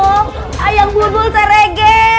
ya allah ayang bulbul terege